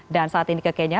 dan saat ini ke kenya